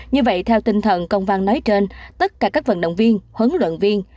như vậy theo tinh thần công văn nói trên tất cả các vận động viên huấn luyện viên